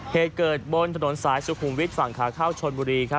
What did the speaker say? เหตุเกิดบนถนนสายสุขุมวิทย์ฝั่งขาเข้าชนบุรี